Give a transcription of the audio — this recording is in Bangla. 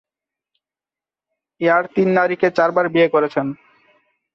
এয়ার তিন নারীকে চারবার বিয়ে করেছেন।